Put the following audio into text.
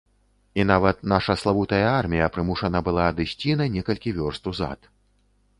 І нават наша славутая армія прымушана была адысці на некалькі вёрст узад.